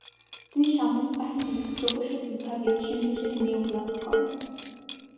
তিনি সামরিক বাহিনীর প্রকৌশল বিভাগে সেনা হিসেবে নিয়োগ লাভ করেন।